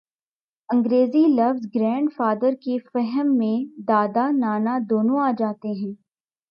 انگریزی لفظ grandfather کے فہم میں دادا، نانا دونوں آ جاتے ہیں۔